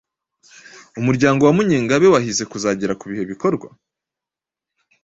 Umuryango wa Munyengabe wahize kuzagera ku bihe bikorwa?